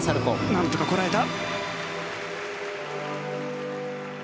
何とかこらえた。